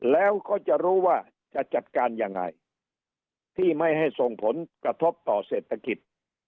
แล้วก็จะรู้ว่าจะจัดการยังไงที่ไม่ให้ส่งผลกระทบต่อเศรษฐกิจ